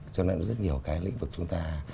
cho nên rất nhiều cái lĩnh vực chúng ta